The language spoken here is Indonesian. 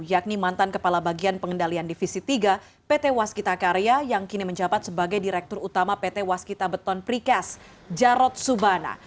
yakni mantan kepala bagian pengendalian divisi tiga pt waskita karya yang kini menjabat sebagai direktur utama pt waskita beton prikes jarod subana